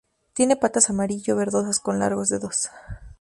Tienen patas amarillo verdosas con largos dedos.